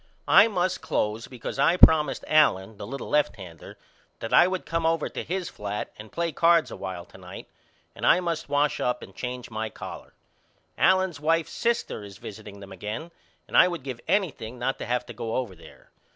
I must close because I promised Allen the little lefthander that I would come over to his flat and play cards a while to night and I must wash up and change my collar. Allen's wife's sister is visiting them again and I would give anything not to have to go over there.